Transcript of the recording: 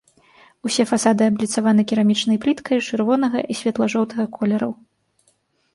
Усе фасады абліцаваны керамічнай пліткай чырвонага і светла-жоўтага колераў.